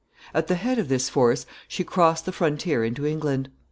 At the head of this force she crossed the frontier into England.